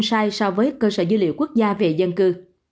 sai so với cơ sở dữ liệu quốc gia về dân cư